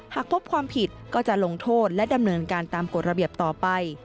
หากพบความผิดก็จะลงโทษและดำเนินการตามกฎระเบียบต่อไป